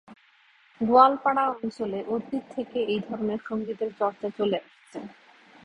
গোয়ালপাড়া অঞ্চলে অতীত থেকে এইধরনের সঙ্গীতের চর্চা চলে আসছে।